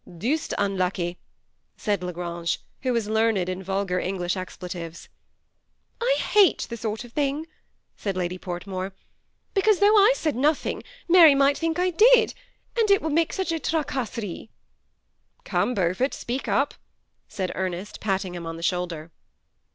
" Deuced unlucky," said La Grange, who was learn ed in vulgar English expletives. "I hate the sort of thing," said Lady Portmore, "be cause, though I said nothing, Mary might think I did, and it will make such a tracasserie" " Come, Beaufort, speak up," said Ernest, patting him on the shoulder.